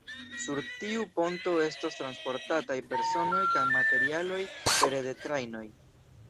Sur tiu ponto estos transportataj personoj kaj materialoj pere de trajnoj.